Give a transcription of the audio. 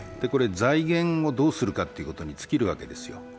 財源をどうするかということに尽きるわけですよ。